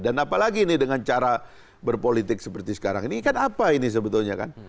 dan apalagi ini dengan cara berpolitik seperti sekarang ini ini kan apa ini sebetulnya kan